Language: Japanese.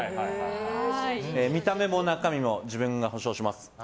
見た目も中身も自分が保証します。